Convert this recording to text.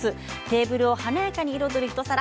テーブルを華やかに彩る一皿。